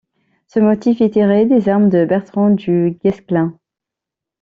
Ce motif est tiré des armes de Bertrand du Guesclin.